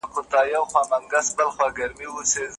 واوره ګرانه په جهان کي دا یو زه یم چي ریشتیا یم